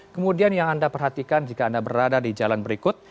kemudian yang anda perhatikan jika anda berada di jalan berikut